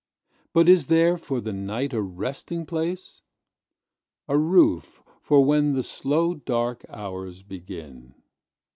But is there for the night a resting place?A roof for when the slow dark hours begin.